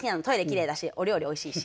きれいだしお料理おいしいし。